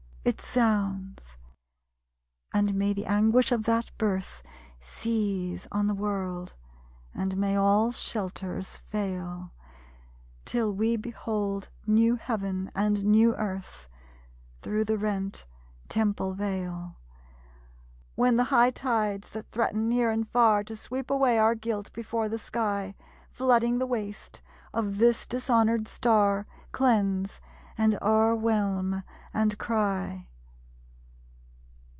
It sounds! And may the anguish of that birth Seize on the world; and may all shelters fail, Till we behold new Heaven and new Earth Through the rent Temple vail! When the high tides that threaten near and far To sweep away our guilt before the sky, Flooding the waste of this dishonored Star, Cleanse, and o'erwhelm, and cry!